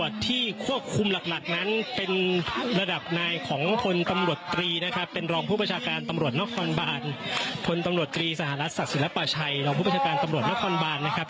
ศักดิ์ศิลปะชัยแล้วผู้ประชาการตำรวจนักความบ้านนะครับ